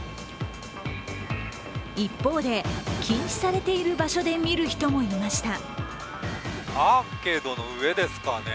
一方で、禁止されている場所で見る人もいました。